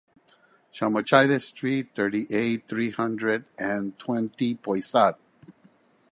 Chamechaude street, thirty-eight, three hundred and twenty Poisat